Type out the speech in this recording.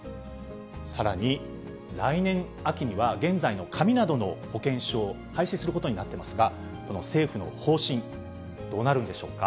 さらに、来年秋には現在の紙などの保険証、廃止することになってますが、この政府の方針、どうなるんでしょうか。